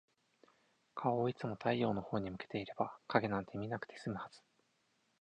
顔をいつも太陽のほうに向けていれば、影なんて見なくて済むはず。